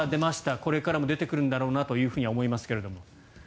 これからも出てくるんだろうなとは思いますが。